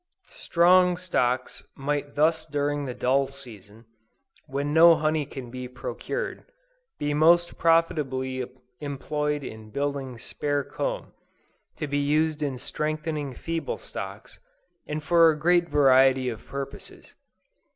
Strong stocks might thus during the dull season, when no honey can be procured, be most profitably employed in building spare comb, to be used in strengthening feeble stocks, and for a great variety of purposes.